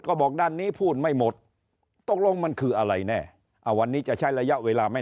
ก็บอกด้านนี้พูดไม่หมดตกลงมันคืออะไรแน่วันนี้จะใช้ระยะเวลาไม่